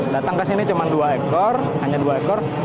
datang ke sini cuma dua ekor hanya dua ekor